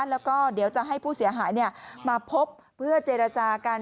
แล้วก็เดี๋ยวจะให้ผู้เสียหายมาพบเพื่อเจรจากัน